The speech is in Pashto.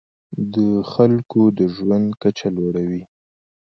د خلکو د ژوند کچه لوړوي.